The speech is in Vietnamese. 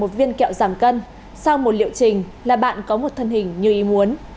một viên kẹo giảm cân sau một liệu trình là bạn có một thân hình như ý muốn